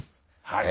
はい。